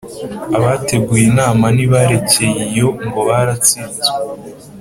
abateguye inama ntibarekeye iyo ngo baratsinzwe.